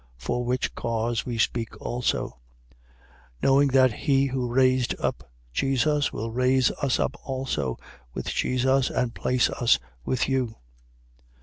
For which cause we speak also: 4:14. Knowing that he who raised up Jesus will raise us up also with Jesus and place us with you.